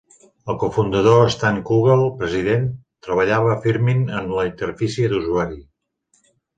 El co-fundador Stan Kugell, president, treballava a Firmin en la interfície d'usuari.